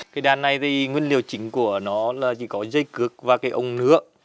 cái đàn này thì nguyên liệu chính của nó là chỉ có dây cực và cái ống nữa